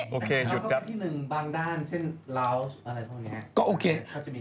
จบที่หนึ่งบางด้านเช่นราล์อะไรทางนี้